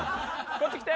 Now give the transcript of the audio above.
こっち来て！